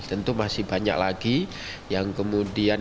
tentu masih banyak lagi yang kemudian